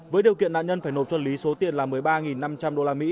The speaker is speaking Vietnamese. với điều kiện nạn nhân phải nộp cho lý số tiền là một mươi ba năm trăm linh usd